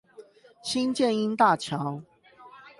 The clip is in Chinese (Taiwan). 新箭瑛大橋